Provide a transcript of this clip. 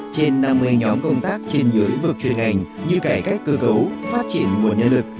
trên năm mươi nhóm công tác trên nhiều lĩnh vực chuyên ngành như cải cách cơ cấu phát triển nguồn nhân lực